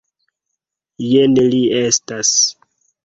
Jen li estas.